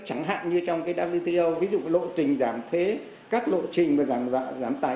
chẳng hạn như trong cái wto ví dụ lộ trình giảm thế các lộ trình giảm tài